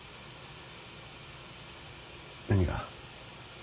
何が？